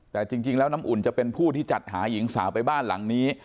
แต่จริงแล้วน้ำอุ่นจะเป็นผู้ที่จัดหาหญิงสาวไปบ้านหลังนี้